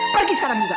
pergi sekarang juga